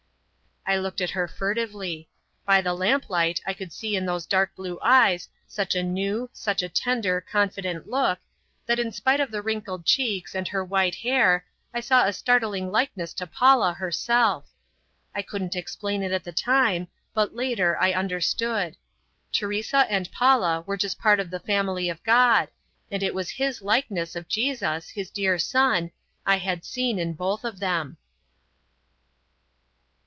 I looked at her furtively. By the lamplight I could see in those dark blue eyes such a new, such a tender, confident look, that in spite of the wrinkled cheeks and her white hair I saw a startling likeness to Paula herself. I couldn't explain it at the time, but later I understood Teresa and Paula were just part of the family of God and it was His likeness of Jesus, His dear Son, I had seen in both of them.